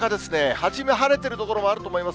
初め晴れてる所もあると思います。